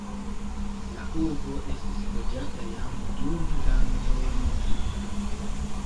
La urbo estis loĝata jam dum la neolitiko.